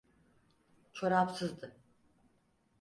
Çorapsızdı.